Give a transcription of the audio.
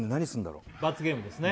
罰ゲームですね